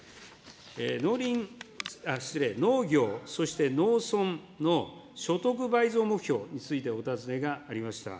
農林、失礼、農業、そして農村の所得倍増目標についてお尋ねがありました。